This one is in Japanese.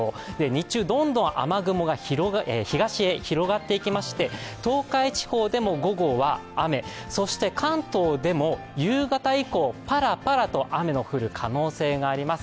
日中どんどん雨雲が東へ広がっていきまして東海地方でも午後は雨、そして関東でも夕方以降、パラパラと雨の降る可能性があります。